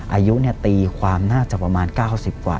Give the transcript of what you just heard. อายุตีความน่าจะประมาณ๙๐กว่า